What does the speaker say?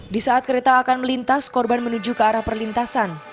di saat kereta akan melintas korban menuju ke arah perlintasan